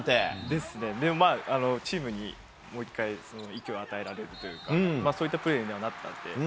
でもまあ、チームにもう一回、勢いを与えられるというか、そういったプレーにはなったので。